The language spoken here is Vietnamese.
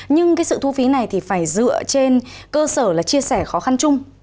nhưng cái sự thu phí này thì phải dựa trên cơ sở là chia sẻ khó khăn chung